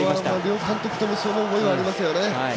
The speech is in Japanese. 両監督ともその思いはありますよね。